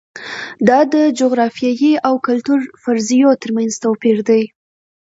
دا د جغرافیې او کلتور فرضیو ترمنځ توپیر دی.